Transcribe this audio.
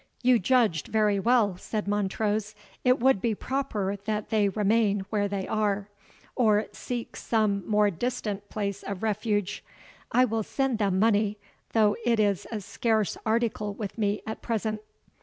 "You judged very well," said Montrose; "it would be proper that they remain where they are, or seek some more distant place of refuge. I will send them money, though it is a scarce article with me at present."